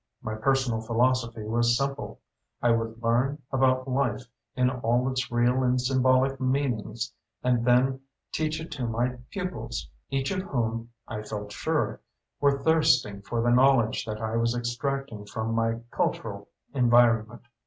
My personal philosophy was simple. I would learn about life in all its real and symbolic meanings and then teach it to my pupils, each of whom, I felt sure, were thirsting for the knowledge that I was extracting from my cultural environment.